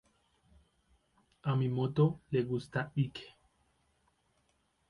A mi moto le gusta Ike.